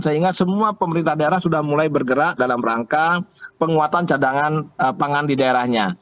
sehingga semua pemerintah daerah sudah mulai bergerak dalam rangka penguatan cadangan pangan di daerahnya